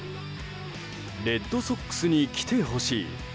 レッドソックスに来てほしい。